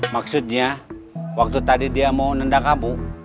maksudnya waktu tadi dia mau nendak kamu